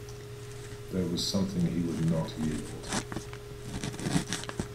There was something he would not yield.